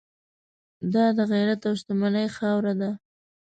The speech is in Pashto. دا د غیرت او شتمنۍ خاوره ده.